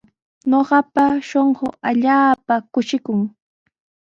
Ñuqapa shunquu allaapa kushikun.